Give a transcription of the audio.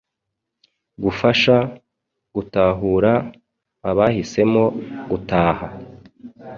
gufasha gutahura abahisemo gutaha